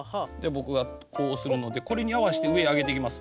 僕がこうするのでこれに合わせて上へ上げていきます。